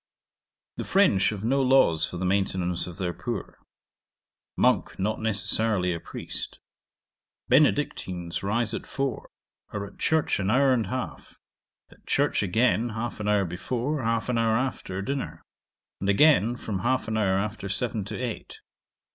'The French have no laws for the maintenance of their poor. Monk not necessarily a priest. Benedictines rise at four; are at church an hour and half; at church again half an hour before, half an hour after, dinner; and again from half an hour after seven to eight.